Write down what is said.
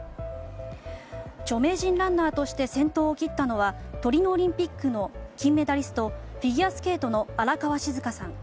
著名人ランナーとして先頭を切ったのはトリノオリンピックの金メダリストフィギュアスケートの荒川静香さん。